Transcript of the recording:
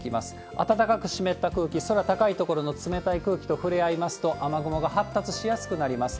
暖かく湿った空気、空高い所の冷たい空気と触れ合いますと、雨雲が発達しやすくなります。